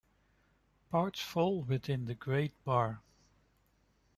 Parts fall within Great Barr.